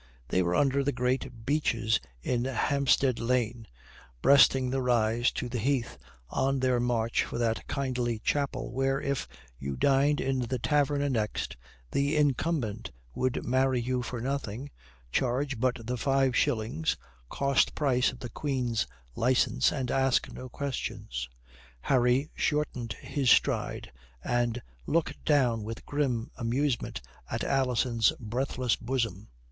They were under the great beeches in Hampstead Lane, breasting the rise to the heath, on their march for that kindly chapel, where, if you dined in the tavern annexed, the incumbent would marry you for nothing, charge but the five shillings, cost price of the Queen's licence, and ask no questions. Harry shortened his stride, and looked down with grim amusement at Alison's breathless bosom.